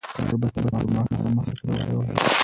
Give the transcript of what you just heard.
کار به تر ماښامه ختم شوی وي.